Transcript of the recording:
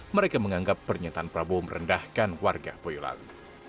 mereka menganggap pernyataan prabowo merendahkan warga boyolali